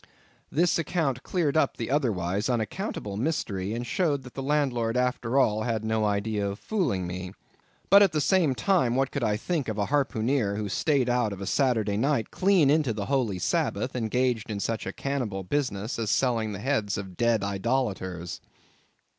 This account cleared up the otherwise unaccountable mystery, and showed that the landlord, after all, had had no idea of fooling me—but at the same time what could I think of a harpooneer who stayed out of a Saturday night clean into the holy Sabbath, engaged in such a cannibal business as selling the heads of dead idolators?